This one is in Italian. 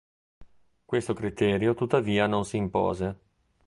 Questo criterio tuttavia non si impose.